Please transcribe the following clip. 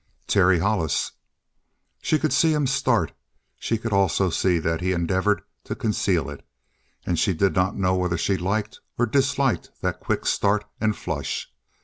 "Terry Hollis." She could see him start. She could also see that he endeavored to conceal it. And she did not know whether she liked or disliked that quick start and flush.